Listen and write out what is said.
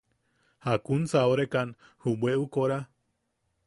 –¿Jakunsa orekan junu bweʼu kora?